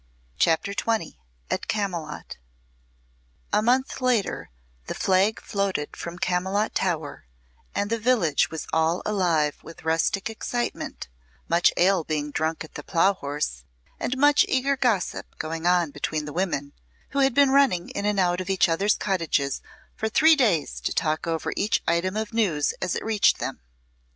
CHAPTER XX At Camylott A month later the flag floated from Camylott Tower and the village was all alive with rustic excitement, much ale being drunk at the Plough Horse and much eager gossip going on between the women, who had been running in and out of each other's cottages for three days to talk over each item of news as it reached them.